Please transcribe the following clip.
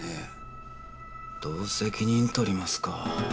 どう責任取りますか？